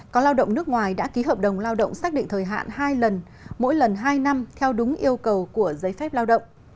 có lao động nước ngoài đã ký hợp đồng lao động xác định thời hạn hai lần mỗi lần hai năm theo đúng yêu cầu của giấy phép lao động